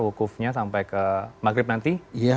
wukufnya sampai ke maghrib nanti